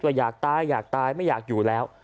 ก็อยากตายอยากตายไม่อยากอยู่แล้ว